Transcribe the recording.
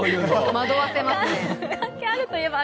惑わせますね。